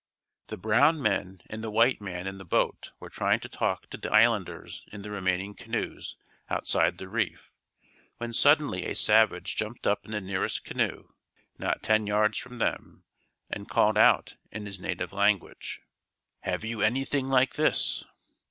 The brown men and the white man in the boat were trying to talk to the islanders in the remaining canoes outside the reef, when suddenly a savage jumped up in the nearest canoe, not ten yards from them, and called out in his native language: "Have you anything like this?"